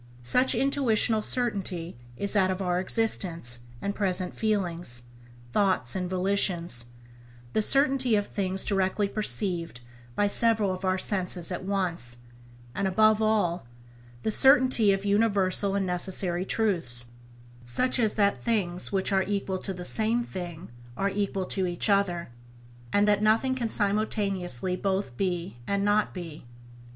Such intuitional certainty is that of our existence and present feelings, thoughts and volitions; the certainty of things directly perceived by several of our senses at once, and, above all, the certainty of universal and necessary truths, such as that things which are equal to the same thing are equal to each other, and that nothing can simultaneously both be and not be."